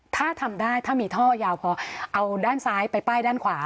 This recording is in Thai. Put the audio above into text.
ถ้าทำได้ถ้ามีท่อยาวพอเอาด้านซ้ายไปป้ายด้านขวา